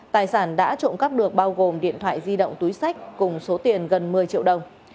tài sản đã trộm cắp được bao gồm điện thoại di động túi sách cùng số tiền gần một mươi triệu đồng